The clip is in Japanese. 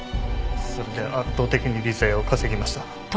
それで圧倒的に利ざやを稼ぎました。